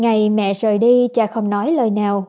ngày mẹ rời đi cha không nói lời nào